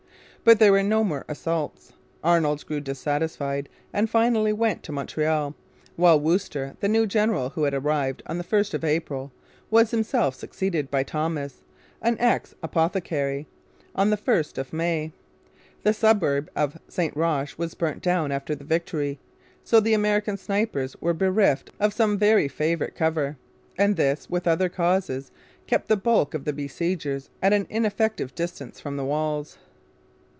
But there were no more assaults. Arnold grew dissatisfied and finally went to Montreal; while Wooster, the new general, who arrived on the 1st of April, was himself succeeded by Thomas, an ex apothecary, on the 1st of May. The suburb of St Roch was burnt down after the victory; so the American snipers were bereft of some very favourite cover, and this, with other causes, kept the bulk of the besiegers at an ineffective distance from the walls.